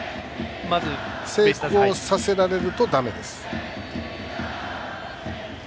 成功させられると、だめです。